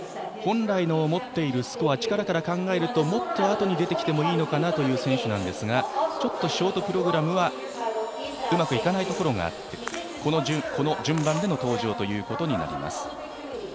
本来持っているスコアから考えるともっとあとに出てきてもいい選手ですがちょっとショートプログラムはうまくいかないところがあってこの順番での登場となります。